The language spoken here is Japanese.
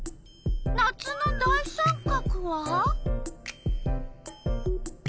夏の大三角は？